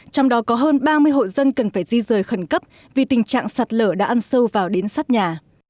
trong đó có hơn ba mươi hộ dân cần phải di rời khẩn cấp vì tình trạng sạt lở đã ăn sâu vào đến sát nhà